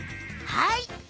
はい！